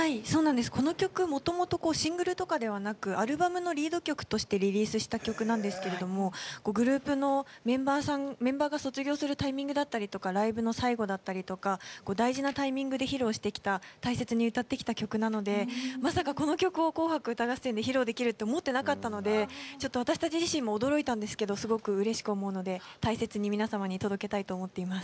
この曲、もともとシングルとかではなくアルバムのリード曲としてリリースした曲なんですがグループのメンバーが卒業するタイミングだったりライブの最後だったりとか大事なタイミングで披露してきた大切に歌ってきた曲なのでまさか、この曲を「紅白歌合戦」で披露できるって思ってなかったのでちょっと、私たち自身も驚いたんですけどすごくうれしく思うので大切に皆様に届けたいと思っています。